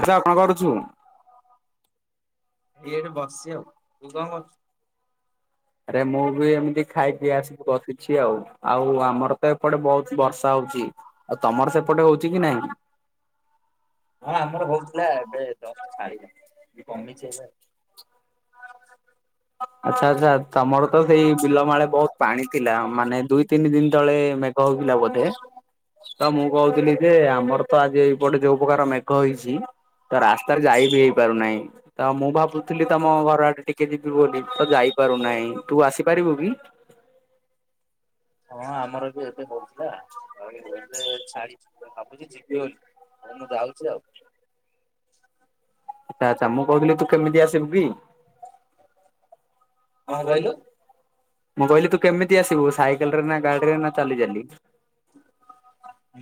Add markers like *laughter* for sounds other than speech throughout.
ଆଛା ଆପଣଙ୍କର ଜୁ *inaudible* ଏଇ ଏଠି ବସିଛି ଆଉ ତୁ କଣ କରୁଛୁ? ଆରେ ମୁଁ ବି ଏମିତି ଖାଇକି ଆସିକି ବସିଛି ଆଉ। ଆଉ ଆମର ତ ଏପଟେ ବହୁତ ବର୍ଷା ହଉଛି। ଚି ଆଉ ତମର ସେପଟେ ହଉଛି କି ନାଇଁ। ହଁ ଆମର ହଉଥିଲା। ଏବେ ଜଷ୍ଟ ଛାଡିଲା କମିଛି ଏବେ ଆଉ। ଆଚ୍ଛା ଆଚ୍ଛା ତମର ତ ସେଇ ବିଲମାଳେ ବହୁତ ପାଣି ଥିଲା। ମାନେ ଦୁଇ ତିନି ଦିନ ତଳେ ମେ କହୁଥିଲା ବୋଧେ ତ ମୁଁ କହୁଥିଲି ଯେ ଆ ମୋର ତ ଆଜି ଏଇପଟେ ଯୋଉ ପ୍ରକାର ମେଘ ହେଇଚି। ତ ରାସ୍ତାରେ ଯାଇ ବି ହେଇପାରୁନାହିଁ। ତ ମୁଁ ଭାବୁଥିଲି ତମ ଘର ଆଡେ ଟିକେ ଯି ମୁଁ ବିତ ଯାଇପାରୁନାହିଁ ତୁ ଆସିପାରିବୁ କି। ହଁ ଆମର ବି ଏବେ ହଉଥିଲା ଆଉ ଏବେ ଛାଡିଚି ଭାବୁଛି ଯିବି ବୋଲି। ଆ ମୁଁ ଯାଉଛି ଆଉ। ଆଛା ଆଛା ମୁଁ କହୁଥିଲି ତୁ କେମିତି ଆସିବୁ କି? କଁ କହିଲୁ। ମୁଁ କହିଲି ତୁ କେମିତି ଆସିବୁ ସାଇକେଲ ରେ ନା ଗାଡିରେ ନା ଚାଲି ଚାଲି।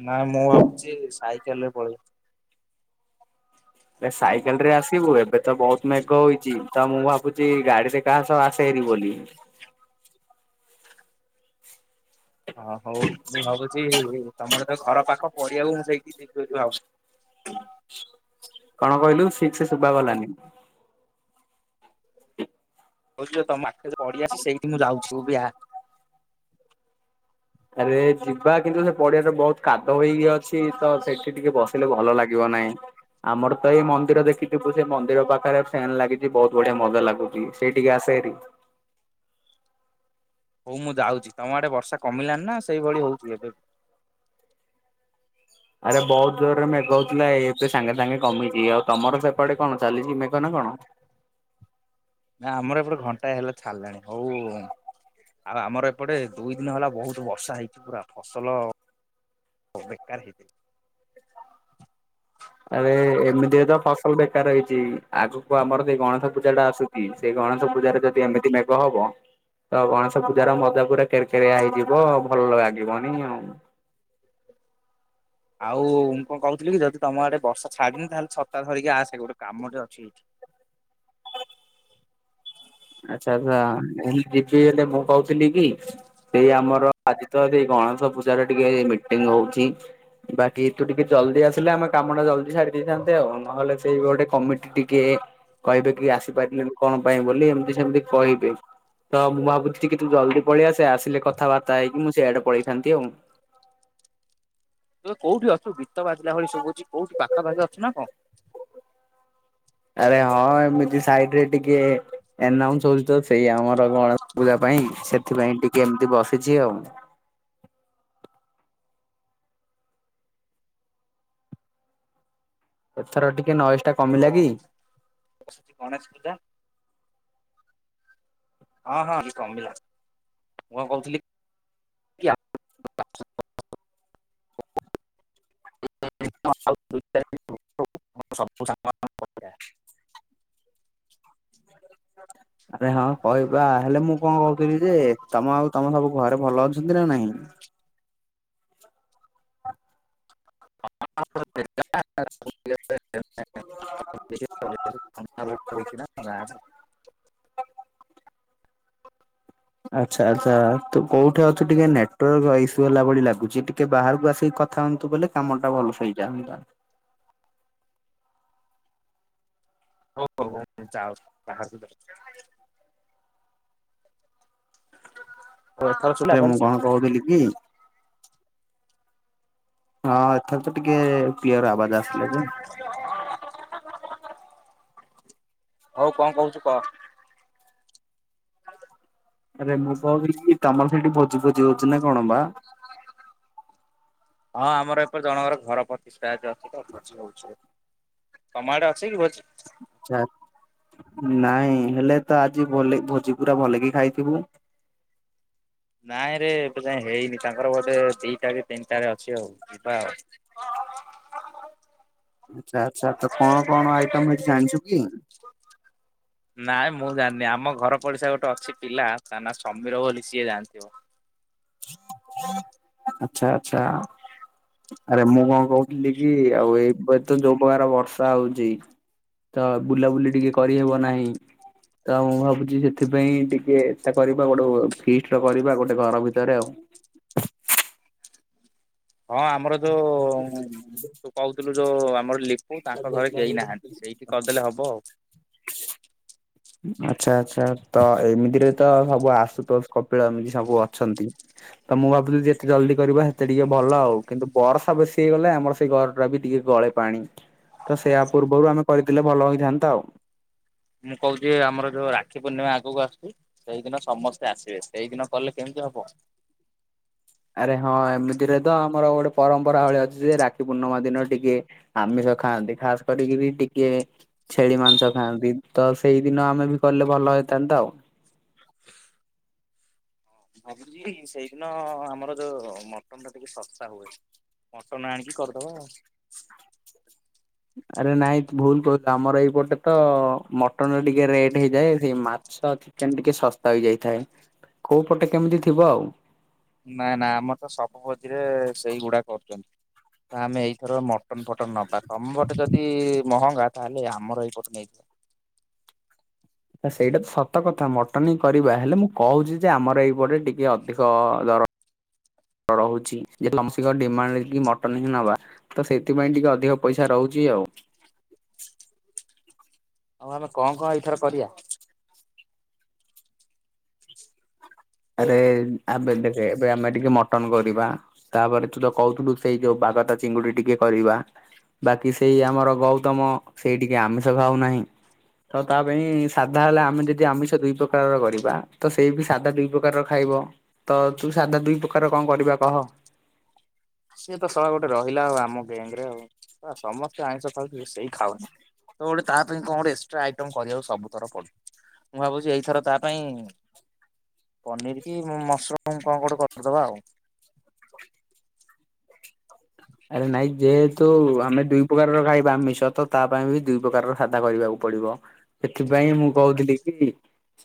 ନାଁ ମୁଁ ଭାବୁଚି ସାଇକେଲ ହେ ସାଇକେଲ ରେ ଆସିବୁ। ଏବେ ତ ବହୁତ ମେଘ ହୋଇଚି। ତ ମୁଁ ଭାବୁଛି ଗାଡିରେ କାହା ସହ ଆସେ। ବୋଲି। ହ ହଉ ମୁଁ ଭାବୁଛି ତମର ତ ଘର ପାଖ ପଡିଇଆକୁ ମୁଁ ସେଇଟିକି ଯିିବି ଭାବୁ କଣ କହିଲୁ ସିକ ସେ ଶୁଭା ଗଲାନି। କହୁଛି ତମ ପାଖେ ଯୋଉ ପଡ଼ିଆ ଅଛି ସେଇଠି ମୁଁ ଯାଉଛି ତୁ ବି ଆ। ଆରେ ଯିବା କିନ୍ତୁ ସେ ପଡିଆରେ ବହୁତ କାଦ ହେଇଅଛି। ତ ସେଠି ଟିକେ ବସି ଲେ ଭଲ ଲାଗିବ ନାଇଁ। ଆମର ତ ଏଇ ମନ୍ଦିର ଦେଖିଥିବୁ ସେ ମନ୍ଦିର ପାଖରେ ଫ୳୲ନ୍ ଲାଗିଚି। ବହୁତ ବଢିଆ ମଜା ଲାଗୁଛି ସେଇ ଟିକି ଆସ। ହେରି। *inaudible* ହଉ ମୁଁ ଯାଉଚି ତମ ଆଡେ ବର୍ଷା କମିଲାଣି ନା ସେଇଭଳି ହଉଛି ଏବେ ବି? ଆରେ ବହୁତ ଜୋରରେ ମେଘ ହଉଥିଲା। ଏବେ ସାଙ୍ଗେ ସାଙ୍ଗେ କମିଛି ଆଉ ତମର ସେପଟେ କଣ ଚାଲିଛି ମେଘ ନା। କଣ? *inaudible* ନା ଆମର ଏପଟେ ଘଣ୍ଟାଏ ହେଲା ଛାଡିଲାଣି। ହଉ ଆଉ ଆମର ଏପଟେ ଦୁଇ ଦିନ ହେଲା ବହୁତ ବର୍ଷା ହେଇଛି ପୁରା। ଫସଲ ବେକାର ହେଇଥିଲା। ଆରେ ଏମିତିରେ ତ ଫସଲ ବେକାର ହେଇଚି। ଆଗକୁ ଆମର ସେ ଗଣେଶ ପୂଜା ଟା ଆସୁଚି। ସେ ଗଣେଶ ପୂଜାରେ ଯଦି ଏମିତି ମେଘ ହବ। ତ ଗଣେଶ ପୂଜାର ମଯା ପୁରା କେର କେରିଆ ହେଇଯିବ ଭଲ ଲାଗିବନି ଆଉ। ଆଉ ମୁଁ କଣ କହୁଥିଲି କି ଯଦି ତମ ଆଡେ ବର୍ଷ ଛାଡିନି ତାହେଲେ ଛତା ଧରିକି ଆସେ ଗୋଟେ କାମଟେ ଅଛି ଏଇଠି। *inaudible* ଆଚ୍ଛା ଆଚ୍ଛା ମୁଁ ଯିବି ହେଲେ ମୁଁ କହୁଥିଲି କି ସେଇ ଆମର ଆଜି ତ ସେଇ ଗଣେଶ ପୂଜାର ଟିକେ ମିଟିଂ ହଉଚି ବାକି ତୁ ଟିକେ ଜଲଦି ଆସିଲେ ଆମେ କାମ ଟା ଜଲଦି ସାରି ଦେଇଥାନ୍ତେ ଆଉ ନହେଲେ ସେଇ ଗୋଟେ କମିଟି ଟିକେ କହିବେ କି ଆସିପାରିଲୁନି କଣ ପାଇଁ ବୋଲି ଏମିତି ସେମିତି କହିବେ। ତ ମୁଁ ଭାବୁଚି ଟିକେ ତୁ ଜଲଦି ପଳେଇଆସେ, ଆସିଲେ କଥାବାର୍ତ୍ତା ହେଇକି ମୁଁ ସେଆଡେ ପଳେଇଥାନ୍ତି ଆଉ। *inaudible* କୋଉଠି ଅଛୁ ଗିତ ବାଜିଲା ଭଳି ସୁଭୁଚି କୋଉଠି ପାଖାପାଖି ଅଛୁ ନା କଣ? ଆରେ ହଁ ଏମିତି ସାଇଡରେ ଟିକେ ଏନାଉଁଶ ହଉଚି ତ। ସେଇ ଆମର ଗଣେଶ ପୂଜା ପାଇଁ ସେଥିପାଇଁ ଟିକେ ଏମତି ବସିଛି ଆଉ। ଏଥର ଟିକେ ନଈ ତ ବସୁଚି ଗଣେଶ ପୂଜା। ହଁ ହଁ ଅଭି କମିଲା, ମୁଁ କଣ କହୁଥିଲି କି *unintelligible* *unintelligible* ଆରେ ହଁ କହିବା ହେଲେ ମୁଁ କଣ କହୁଥିଲି ଯେ ତମ ଆଉ ତମ ସବୁ ଘରେ ଭଲ ଅ ଅଛନ୍ତି ନା ନାଇଁ? *unintelligible* *unintelligible* ଆଚ୍ଛା ଆଚ୍ଛା ତୁ କୋଉଠି ଅଛୁ ଟିକେ ନେଟୱାର୍କ ଇସ୍ୟୁ ହେଲା ଭଳି ଲାଗୁଚି ଟିକେ ବାହାରକୁ ଆସିକି କଥା ହୁଅନ୍ତୁ ବଲେ କାମ ଟା ଭଲସେ ହେଇଯାନ୍ତା। *inaudible* ହଉ ହଉ ହ ମୁ ଯାଉଚି ବାହାରକୁ ହଉ ଏଥର ଶୁଭିଲା ରେ ମୁଁ ଭଲସେ? କଣ କହୁଥିଲି କି ହଁ ଏଥର ତ ଟିକେ କ୍ଲିୟର ଆବାଜ ଆସିଲା ଯେ। ହଉ କଣ କହୁଚୁ କହ? *inaudible* ଆରେ ମୁଁ କହୁଥିଲି ତମର ସେଇଠି ଭୋଜି ଫୋଜି ହଉଚି ନା କଣ ବା? ହଁ ଆମର ଏପରି ଜଣଙ୍କର ଘର ପ୍ରତିସ୍ ଅଛି ତ। ଭୋଜି ହଉଚି, ତମା ଆଡେ ଅଛି କି ଭୋଜି? ଚା ନାଇଁ। ହେଲେ ତ ଆଜି ଭଲକି ଭୋଜି ପୁରା ଭଲକି ଖାଇଥିବୁ? ନାଇଁ ରେ ଏବେ ଯାଏ ହେଇନି ତାଙ୍କର ବୋଧେ ଦିଟା କି ତିନିଟାରେ ଅଛି ଆଉ ଯିବା ଆଉ। *inaudible* ଆଚ୍ଛା ଆଛା ତ କଣ କଣ ଆଇଟମ ହେଇଚି ଜାଣିଛୁ କି? *inaudible* ନାଇଁ ମୁଁ ଜାଣିନି। ଆମ ଘର ପଡିଶା ଗୋଟେ ଅଛି ପିଲା ତା ନା ସମୀର ବୋଲି ସିଏ ଜାଣିଥିବ। *inaudible* ଆଛା ଆଛା। ଆରେ ମୁଁ କଣ କହୁଥିଲି କି ଆଉ ଏବେ ତ ଯୋଉ ପ୍ରକାର ବର୍ଷା ହଉଚି ତ ବୁଲାବୁଲି ଟିକେ କରିହେବ ନାହିଁ। ତ ମୁଁ ଭାବୁଚି ସେଥିପାଇଁ ଟିକେ ଏତା କରିବା ଗୋଟେ ଫିଷ୍ଟଟେ କରିବା ଗୋଟେ ଘର ଭିତ ତରେ ଆଉ। ହଁ ଆମର ଯୋଉ ତୁ କହୁଥିଲୁ ଯୋ ଆମର ଲିପୁ ତାଙ୍କ ଘରେ କେହି ନାହାନ୍ତି। ସେଇଠି କରିଦେଲେ ହବ ଆଉ। ଆଚ୍ଛା ଆଚ୍ଛା ତ ଏମିତିରେ ତ ସବୁ ଆସୁତୋଷ, କପିଳ ଏମିତି ସବୁ ଅଛନ୍ତି। ତ ମୁଁ ଭାବୁଥିଲି, ଯେତେ ଜଲଦି କରିବା ସେତେ ଟିକେ ଭଲ ଆଉ। କିନ୍ତୁ ବର୍ଷା ବେଶୀ ହେଇଗଲେ ଆମର ସେଇ ଘର ଟା ବି ଟିକେ ଗଳେ ପାଣି ତ ସେଇୟା ପୂର୍ବରୁ ଆମେ କରିଥିଲେ ଭଲ ହେଇଥାନ୍ତା ଆଉ। ମୁଁ କହୁଚି ଆମର ଯୋଉ ରାକ୍ଷୀ ପୂର୍ଣ୍ଣିମା ଆଗକୁ ଆସୁଚି, ସେଇଦିନ ସମସ୍ତେ ଆସିବେ ସେଇ ହବ। ଆରେ ହଁ ଏମିତିରେ ତ ଆମର ଗୋଟେ ପରମ୍ପରା ଭଳି ଅଛି ଯେ, ରାକ୍ଷୀ ପୂର୍ଣ୍ଣିମା ଦିନ ଟିକେ ଆମିଷ ଖାଆନ୍ତି ଖାସ କରିକି ବି ଟିକେ ଛେଳି ମାଂସ ଖାଆନ୍ତି। ତ ସେଇ ଦିନ ଆମେ ବି କଲେ ଭଲ ହଇଥାନ୍ତା ଆଉ। *inaudible* ଭାବୁଚି ସେଇଦିନ ଆମର ଯୋଉ ମଟନଟା ଟିକେ ଶସ୍ତା ହୁଏ। ମଟନ ଆଣିକି କରିଦବା ଆଉ। *inaudible* ଆରେ ନାଇଁ ଭୁଲ କହ ଆମର ଏଇପଟେ ତ ମଟନ ଟିକେ ରେଟ୍ ହେଇଯାଏ ସେ ମା ଛ, ଚିକେନ ଟିକେ ଶସ୍ତା ହୋଇଯାଇଥାଏ। କୋଉପଟେ କେମିତି ଥିବ ଆଉ। ନାଇଁ ନା ଆମର ତ ସବୁ ଭୋଜିରେ ସେଇଗୁଡା କରୁଚନ୍ତି। ତ ଆମେ ଏଇଥର ମଟନ ଫଟନ ନବା। ତମପଟେ ଯଦି ମହଙ୍ଗା ତାହେଲେ ଆମର ଏଇପଟୁ ନେଇଯିବ। ସେଇଟା ତ ସତ କଥା ମଟନ ହିଁ କରିବା। ହେଲେ ମୁଁ କହୁଚି ଯେ ଆମର ଏଇପଟେ ଟିକେ ଅଧିକ ଦର। *inaudible* ରହୁଚି। ସମସ୍ତିଙ୍କ ଡିମାଣ୍ଡକି ମଟନ ହିଁ ନବା। ତ ସେଥିପାଇଁ ଟିକେ ଅଧିକ ପଇସା ରହୁଚି ଆଉ। *inaudible* ଆଉ ଆମେ କଣ କଣ ଏଇଥର କରିବା? ଆରେ ଆବେବେ ଦେଖ ଏବେ ଆମେ ଟିକେ ମଟନ କରିବା, ତାପରେ ତୁ ତ କହୁଥିଲୁ ସେଇ ଯୋଉ ବା ଗଦା ଚିଙ୍ଗୁଡି ଟିକେ କରିବା। ବାକି ସେଇ ଆମର ଗୌତମ, ସେଇ ଟିକେ ଆମିଷ ଖାଉ ନାହିଁ। ତ ତା ପାଇଁ ସାଧା ହେଲେ ଆମେ ଯଦି ଆମିଷ ଦୁଇ ପ୍ରକାରର କରିବା ତ ସେଇ ବି ସାଧା ଦୁଇ ପ୍ରକାର ପ୍ରକାର ଖାଇବ ତ ତୁ ସାଧା ଦୁଇ ପ୍ରକାର କଣ କରିବା କହ? ସିଏତ ଶଳା ଗୋଟେ ରହିଲା ଆଉ ଆମ ଗେଙ୍ଗରେ ଆଉ। ଶଳା ସମସ୍ତେ ଆଇଁଷ ଖାଉଚୁ ସେଇ ଖାଉନି। ତ ଗୋଟେ ତା ପାଇଁ କଣ ଗୋଟେ ଏକ୍ସଟ୍ରା ଆଇଟମ କରିବାକୁ ସବୁଥର ପଡୁଚି। ମୁଁ ଭାବୁଚି ଏଇଥର ତା ପାଇଁ ପନିର କି ମସରୁମ କଣ କୋଉଠି କରିଦବା ଆଉ। ଆରେ ନାଇଁ ଯେହେତୁ ଆମେ ଦୁଇ ପ୍ରକାରର ଖାଇବା ଆମିଷ ତ ତା ପାଇଁ ବି ଦୁଇ ପ୍ରକାରର ସାଧା କରିବାକୁ ପଡିବ। ସେଥିପାଇଁ ମୁଁ କହୁଥିଲି କି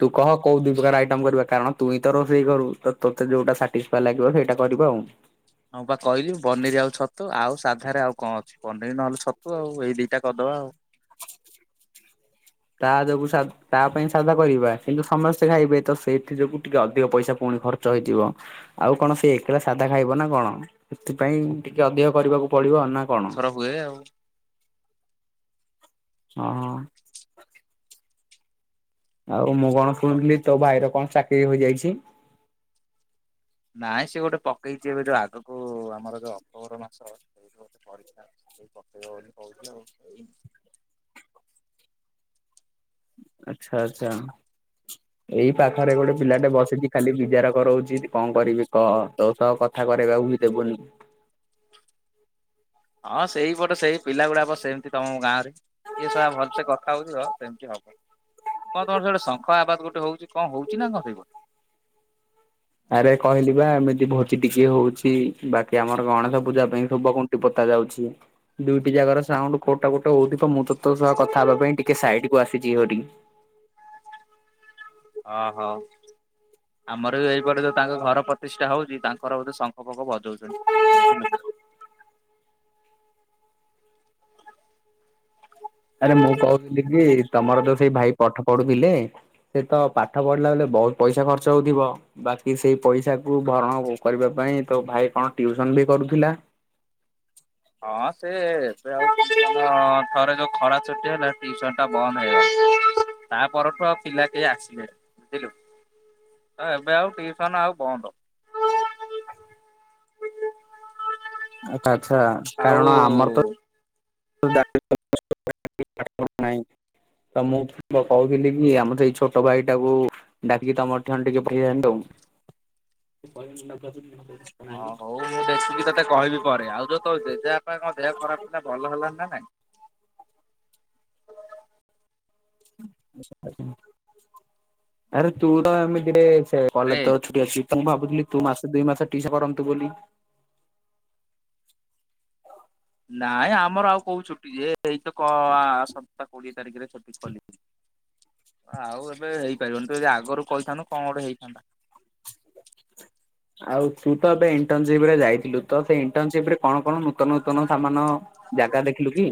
ତୁ କହ କୋଉ ଦି ପ୍ରକାର ଆଇଟମ କରିବା କାରଣ ତୁଇଁ ତ ରୋଷେଇ କରୁ ତୋତେ ଯୋଉଟା ସାଟିସ୍ଫଏ ଲାଗିବ ସେଇଟା କରିବୁ। ବନ୍ଗ ତ ଆଉ ସାଧାରେ ଆଉ କଣ ଅଛି? ପନିର ନହେଲେ ଛତୁ ଆଉ ଏଇ ଦିଟା କରିଦବା ଆଉ। *inaudible* ତା ଯୋଗୁ ସା ତା ପାଇଁ ସାଧା କରିବା କିନ୍ତୁ ସମସ୍ତେ ଖାଇବେ ତ ସେଇଥି ଯୋଗୁ ଟିକେ ଅଧିକ ପଇସା ପୁଣି ଖର୍ ର୍ଚ୍ଚ ହେଇଥିବ ଆଉ କଣ ସେ ଏକଲା ସାଧା ଖାଇବ ନା କଣ ସେଥିପାଇଁ ଟିକେ ଅଧିକ କରିବାକୁ ପଡିବ ନା। କଣ? ଥର ହୁଏ ଆଉ। ହଁ ହ। ଆଉ ମୁଁ କଣ ଶୁଣଥିଲି ତୋ ଭାଇର କଣ ଚାକିରି ହୋଇଯାଇଛି। ନାଇଁ ସିଏ ଗୋଟେ ପକେଇଚି ଏବେ ଯୋ ଆଗକୁ ଆମର ଯୋଉ ଅକ୍ଟୋବର ମାସ ସେଇ ଗୋଟେ ପରୀକ୍ଷା ଅଛି। ସେଇ ପକେଇବ ବୋଲି କହୁଥିଲା ଆଉ ହେଇନି। ଆଛା ଆଛା। ଏଇ ପାଖରେ ଗୋଟେ ପିଲାଟେ ବସଚି ଖାଲି ବିଚାର କରଉଛି କଣ କରିବି କହ ତୋ ସ କଥା କରେଇବାକୁ ବି ଦେବୁନି। *inaudible* ହଁ ସେଇପଟେ ସେଇ ପିଲା ଗୁଡା ବ ସେମିତି ତମ ଗାଁ ରେ, ଇଏ ଶଳା ଭଲସେ କଥା ହଉଥିବ ଆ ସେମିତି କଣ ତମର ସିଆଡେ ଶଙ୍ଖ ଆବାଜ ଗୋଟେ ହଉଚି କଣ ହଉଚି ନା କଣ ସେଇ ଗୋଟ? ଆରେ କହିଲି ବା ଏମିତି ଭୋଜି ଟିକେ ହଉଚି, ବାକି ଆମର ଗଣେଶ ପୂଜା ପାଇଁ ସୁବ କୁଣ୍ଟି ପୋତା ଛାଉଚି। ଦୁଇଟି ଜାଗର ସାଉଣ୍ଡୁ କୋଉଟା ଗୋଟେ ହଉଥିବ ମୁଁ ତ ତ ସହ କଥା ହେବା ପାଇଁ ଟିକେ ସାଇଡକୁ ଆସିଚି ହରି। ଓ ହୋ। ଆମର ବି ଏଇପଟେ ଯଉ ତାଙ୍କର ଘର ପ୍ରତିଷ୍ଠା ହଉଚି ତାଙ୍କର ବୋଧେ ଶଙ୍ଖପଖ ବଜଉଛନ୍ତି। ହଁ ହାଲୋ। ଆରେ ମୁଁ କହୁଥିଲି କି ତମର ଯୋଉ ସେଇ ଭାଇ ପାଠ ପଢୁଥିଲେ ସେ ତ ପାଠ ପଢିଲା ବେଳେ ବହୁତ ପଇସା ଖର୍ଚ୍ଚ ହଉଥିବ, ବାକି ସେଇ ପଇସାକୁ ଭରଣ କରିବା ପାଇଁ ତ ଭାଇ କଣ ଟିଉସନ ବି କରୁଥିଲା? ହଁ ସେ ଉ ଥରେ କଣ ତାର ଏବେ ଖରା ଛୁଟି ହେଲା ଟିଉସନ ଟା ବନ୍ଦ ହେଇଯା *unintelligible* ତା ପରଠୁ ଆଉ ପିଲା କେହି ଆସିଲେନି ବୁଝିଲୁ? ଏବେ ଆଉ ଟିଉସନ ଆଉ ବନ୍ଦ। *inaudible* ଆଚ୍ଛା ଆଚ୍ଛା ଆଉ କାରଣ ଆମର ତ *unintelligible* *unintelligible* ନାଇଁ। ତ ମୁଁ କହୁଥିଲି କି ଆମର ସେଇ ଛୋଟ ଭାଇ ଟାକୁ ଡାକିକି ତମର ଠାନି ଟିକେ ପିଏଇ ଆଣିଦବୁ। *inaudible* *inaudible* ହଁ ହଉ ମୁଁ *inaudible* ଦେଖିକି ତତେ କହିବି ପରେ ଆଉ ଯୋଉ ତୋ ଜେଜେ ବାପାଙ୍କ ଦେହ ଖରାପ ଥିଲା ଭଲ ହେଲା ନା? ନାଇଁ? ଆରେ ତୁ ତ ଆମେ ଯେ ଆରେ କଲେଜ ତ ଛୁଟି ଅଛି ମୁଁ ଭାବୁଥିଲି ତୁ ମାସେ ଦୁଇ ମାସ ଟିସ କରନ୍ତୁ। ନାଇଁ ଆମର ଆଉ କଉ ଛୁଟି ଯେ ଏଇତ କ ଆସନ୍ତା କୋଡିଏ ତାରିଖରେ ଚପିସ *unintelligible* ଆଉ ଏବେ ହେଇପାରିବନି ତ ଯଦି ଆଗରୁ କହିଥାନ୍ତୁ କଣ ଗୋଟେ ହେଇଥାନ୍ତା? *inaudible* ଆଉ ତୁ ତ ଏବେ ଇଣ୍ଟର୍ନସିପ ରେ ଯାଇଥିଲୁ ତ ସେ ଇଣ୍ଟରନସିପ ରେ କଣ କଣ? ନୂତନ ନୂତନ ସମାନ ଜାଗା ଦେଖିଲୁ କି?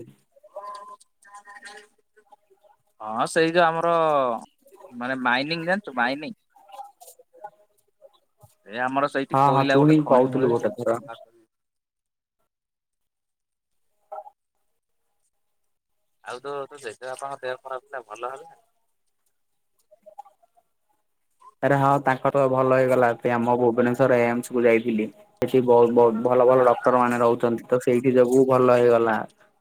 *inaudible* ହଁ ସେଇ ଯୋଉ ଆମର ମାନେ ମାଇନିଂ ଜାଣିଚୁ ମାଇନିଂ? ଏ ଆମର ସେଇଠି ହଁ ହଁ କୋଇଲା ତୁ ହିଁ ଗୋଟେ ଖଣି କହୁଥିଲୁ ହୁଏ ଗୋଟେ ସେଠି ଥର। *unintelligible* ଆଉ ତୋ ଜେଜେବାପାଙ୍କ ଦେହ ଖରାପ ଥିଲା ଭଲ ହେଲା? *inaudible* ଆରେ ହଁ ତାଙ୍କ ତ ଭଲ ହେଇଗଲା ସେ ଆମ ଭୁବନେଶ୍ୱର ଏମସ କୁ ଯାଇଥିଲି ସେଠି ବହୁତ ବହୁତ ଭ ଭଲ ଭଲ ଡକ୍ଟର ମାନେ ରହୁଚନ୍ତି ତ ସେଇଠି ଯୋଗୁ ଭଲ ହେଇଗଲା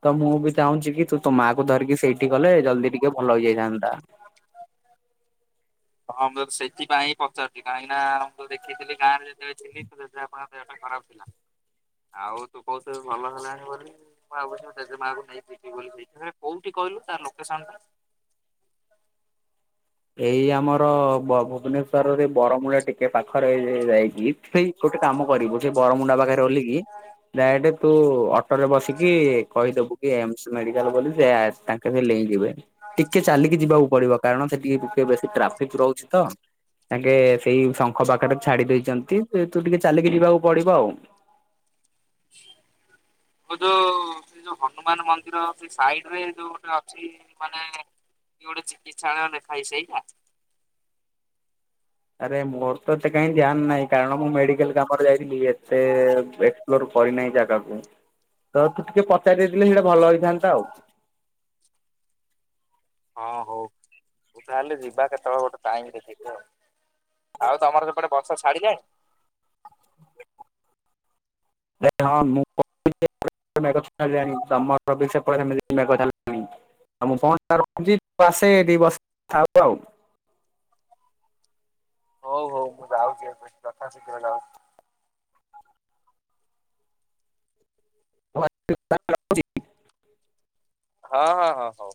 ତ ମୁଁ ବି ଚାହୁଁଛି କି ତୁ ତୋ ମା କୁ ଧରିକି ସେଇଠି ଗଲେ ଜଲଦି ଟିକେ ଭଲ ହେଇଯାଇଥାନ୍ତା। ହଁ ମୁଁ ସେଥିପାଇଁ ହିଁ ପଚାରୁଚି କାହିଁକିନା ମୁଁ ତ ଦେଖିଥିଲି ଗାଁରେ ଯେତେବେଳେ ଥିଲି ତୋ ଜେଜେ ବାପାଙ୍କ ଦେହ ଖରାପ ଥିଲା। ଆଉ ତୁ କହୁଥିଲୁ ଭଲ ହେଲାଣି ବୋଲି ମୁଁ ଭାବୁଚି, ଜେଜେ ମାଆଙ୍କୁ ନେଇିବି ଜିବି ବୋଲି। ଆ କୋଉଠି କହିଲୁ ତାର ଲୋକେସନ ଟା? ଏଇ ଆମର ବ ଭୁବନେଶ୍ୱରରେ ବରମୁଣ୍ଡା ଟିକେ ପାଖରେ। ଯାଇକି ସେଇ ଗୋଟେ କାମ କରିବୁ ସେ ବରମୁଣ୍ଡା ପାଖରେ ଓହ୍ଲେଇକି ଡାଇରେକ୍ଟ ତୁ ଅଟୋ ରେ ବସିକି କହିଦବୁ କି ଏମସ ମେଡିକାଲ ବୋଲି ସେ ତାଙ୍କେ ଟିକେ ଚାଲିକି ଯିବାକୁ ପଡିବ କାରଣ ସେଠିକି ଟିକେ ବେଶୀ ଟ୍ରାଫିକ ରହୁଚି ତ। ତାଙ୍କେ ସେଇ ଶଙ୍ଖ ପାଖରେ ଛାଡି ଦେଇଚନ୍ତି ତୁ ଟିକେ ଚାଲିକି ଯିବାକୁ ପଡିବ ଆଉ। *inaudible* ତୁ ଯୋଉ ସେ ଯୋଉ ହନୁମାନ ମନ୍ଦିର ସେ ସାଇଡ ରେ ଯୋଉ ଗୋଟେ ଅଛି ମାନେ ଏଇ ଗୋଟେ ଚିକିତ୍ସାଳୟ ଲେଖାଯାଇଚି ସେଇଟା। ଆରେ ମୋର ତ ଏତେ କାହିଁ ଧ୍ୟାନ ନାହିଁ କାରଣ ମୁଁ ମେଡିକାଲ କାମରେ ଯାଇଥିଲି ଏତେ ଏକ୍ସପ୍ଲୋର କରିନାହିଁ ଜାଗାକୁ ତ ତୁ ଟିକେ ପଚାରି ଦେଇ ଥିଲେ ସେଇଟା ଭଲ ହେଇଥାନ୍ତା ଆଉ। *inaudible* ହଁ ହଉ ମୁ ତାହେଲେ ଯିବା କେତେବେଳେ ଗୋଟେ ଟାଇମ ଦେଖିକି ଆଉ। ଆଉ ତମର ସେପଟେ ବର୍ଷା ଛାଡିଲାଇଁ? ଏ ହ ମୁଁ ଆମ ପଟେ ଛାଡିନି ତମର ବି ସେପଟେ ସେମିତି ମେଘ ଛାଡିଲାଣି? ଆଉ ମୁଁ ପହଞ୍ଚି ରକ୍ଷି ଆସେ ତୁ ବସଥାବ ଆଉ। ହଉ ହଉ ମୁଁ ଯାଉଛି କଥା ଶିଘ୍ର ସାରେ ଆଉ। *unintelligible* ହଁ ହଁ ହଁ ହଉ।